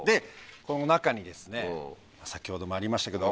この中に先ほどもありましたけど。